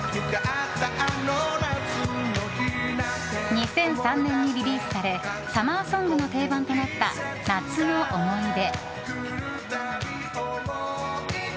２００３年にリリースされサマーソングの定番となった「夏の思い出」。